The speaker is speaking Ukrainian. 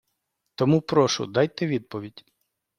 Тому, прошу, дайте відповідь!